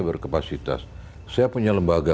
berkapasitas saya punya lembaga